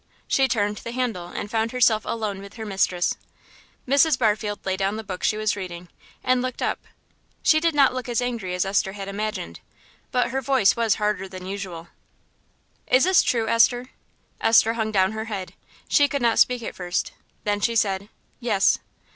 She turned the handle, and found herself alone with her mistress. Mrs. Barfield laid down the book she was reading, and looked up. She did not look as angry as Esther had imagined, but her voice was harder than usual. "Is this true, Esther?" Esther hung down her head. She could not speak at first; then she said, "Yes."